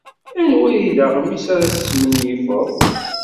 Anwa ay d aɣmis ara tesmenyifed?